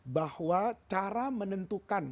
bahwa cara menentukan